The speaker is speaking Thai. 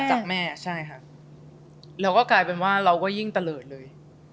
จากแม่ใช่ค่ะแล้วก็กลายเป็นว่าเราก็ยิ่งตะเลิศเลย